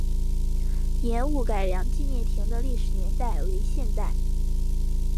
盐务改良纪念亭的历史年代为现代。